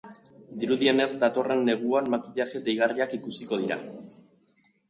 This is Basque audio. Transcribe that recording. Dirudienez, datorren neguan makillaje deigarriak ikusiko dira.